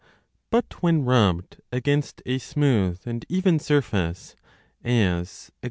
But when rubbed against a smooth and even surface, as e.